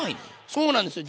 そうなんですよ。